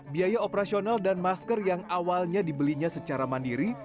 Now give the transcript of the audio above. biaya operasional dan masker yang awalnya dibelinya secara mandiri